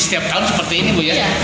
setiap tahun seperti ini bu ya